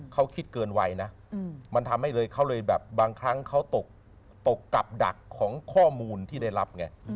เขาคิดเกินวัยนะมันทำให้เลยเขาเลยแบบบางครั้งเขาตกกับดักของข้อมูลที่ได้รับไง